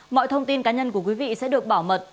mọi thông tin cá nhân của quý vị sẽ được bảo mật